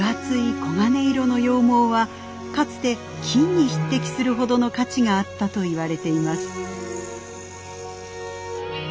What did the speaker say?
黄金色の羊毛はかつて金に匹敵するほどの価値があったと言われています。